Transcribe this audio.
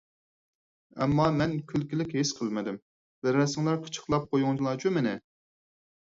ئەمما مەن كۈلكىلىك ھېس قىلمىدىم. بىرەرسىڭلار قىچىقلاپ قويۇڭلارچۇ مېنى!